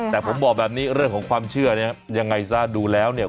แต่ผมบอกแบบนี้เรื่องของความเชื่อเนี่ยยังไงซะดูแล้วเนี่ย